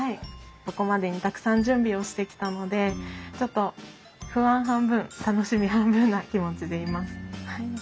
ここまでにたくさん準備をしてきたのでちょっと不安半分楽しみ半分な気持ちでいます。